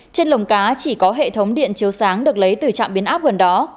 trên lồng cá chỉ có hệ thống điện chiếu sáng được lấy từ trạm biến áp gần đó